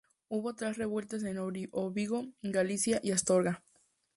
Hubo otras revueltas en Órbigo, Galicia, y Astorga.